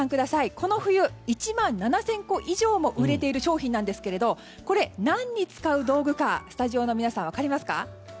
この冬、１万７０００個以上も売れている商品ですがこれ、何に使う道具かスタジオの皆さん分かりますか？